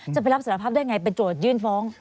จะไปรับสารภาพได้ยังไง